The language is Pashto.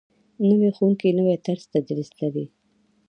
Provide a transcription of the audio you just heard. نوی ښوونکی نوی طرز تدریس لري